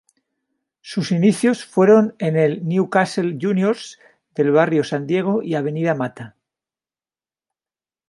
Sus inicios fueron en el Newcastle Juniors del barrio San Diego y Avenida Matta.